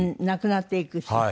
なくなっていくし。